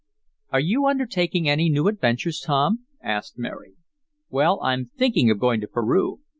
"Are you undertaking any new adventures, Tom?" asked Mary. "Well, I'm thinking of going to Peru."